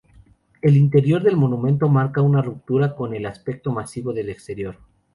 El interior del monumento marca una ruptura con el aspecto masivo del exterior.